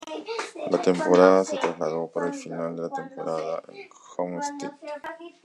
La temporada se trasladó para la final de la temporada en Homestead.